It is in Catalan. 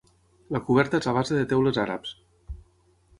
La coberta és a base de teules àrabs.